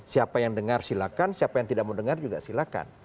siapa yang dengar silakan siapa yang tidak mau dengar juga silakan